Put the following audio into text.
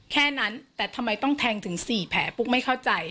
แค่นั้นแต่ทำไมต้องแทงถึง๔แผลปุ๊กไม่เข้าใจ